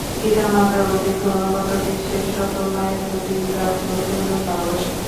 পিতামাতার অধিক অনুগত, বিশেষত মায়ের প্রতি তার প্রচণ্ড ভালবাসা।